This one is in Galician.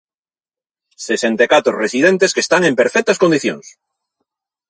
Sesenta e catro residentes que están en perfectas condicións.